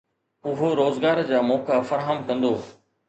اهو روزگار جا موقعا فراهم ڪندو